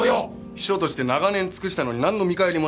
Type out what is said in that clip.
秘書として長年尽くしたのになんの見返りもない。